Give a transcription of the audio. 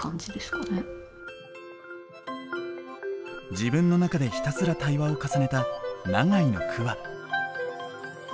自分の中でひたすら対話を重ねた永井の句は。